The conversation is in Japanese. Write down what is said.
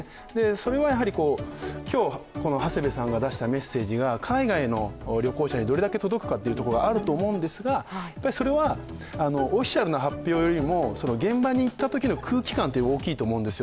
それは今日、この長谷部さんが出したメッセージが海外の旅行者にどれだけ届くかというところがあると思うんですがそれはオフィシャルな発表よりも現場に行ったときの空気感って大きいと思うんですよ。